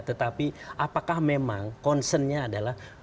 tetapi apakah memang concernnya adalah